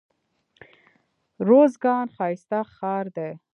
روزګان ښايسته ښار دئ.